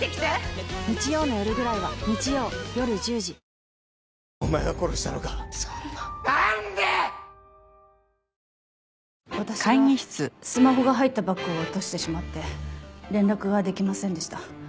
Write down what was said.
クリームハミガキ私がスマホが入ったバッグを落としてしまって連絡ができませんでした。